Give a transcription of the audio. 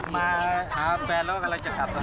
มาหาแฟนแล้วครับ